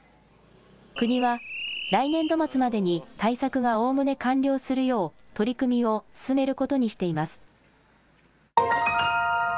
国は来年度末までに対策がおおむね完了するよう取り組みを進めることにしています。